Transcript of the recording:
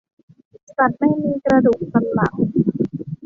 สัตว์ไม่มีกระดูกสันหลัง